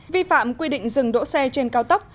vi phạm quy định dừng đỗ xe trên cao tốc